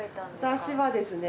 私はですね